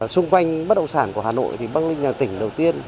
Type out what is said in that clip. xung quanh bất động sản của hà nội thì bắc ninh là tỉnh đầu tiên